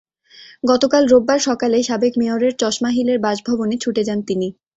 গতকাল রোববার সকালে সাবেক মেয়রের চশমা হিলের বাসভবনে ছুটে যান তিনি।